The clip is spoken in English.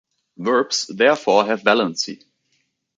Verbs therefore have valency.